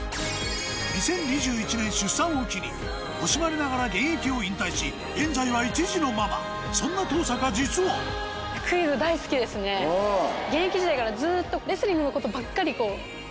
２０２１年出産を機に惜しまれながら現役を引退し現在は１児のママそんな登坂実はすごいそれが私の。